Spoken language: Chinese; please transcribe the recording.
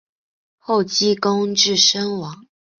后积功至森王。